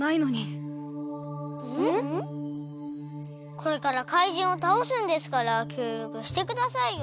これからかいじんをたおすんですからきょうりょくしてくださいよ！